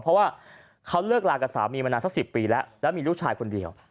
เพราะว่าเขาเลิกลากับสามีมานานสัก๑๐ปีแล้วแล้วมีลูกชายคนเดียว